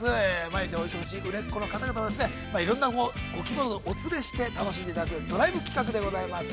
毎日お忙しい売れっ子の方々いろんなご希望のところお連れして楽しんでいただくというドライブ企画でございます。